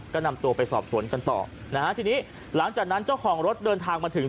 ก็นำตัวไปสอบสวนกันต่อนะฮะทีนี้หลังจากนั้นเจ้าของรถเดินทางมาถึง